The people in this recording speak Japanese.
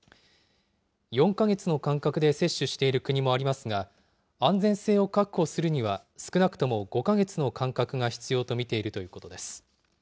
４か月の間隔で接種している国もありますが、安全性を確保するには少なくとも５か月の間隔が必要と見ているということです。